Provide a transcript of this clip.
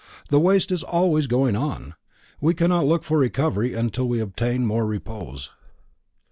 The waste is always going on. We cannot look for recovery until we obtain more repose."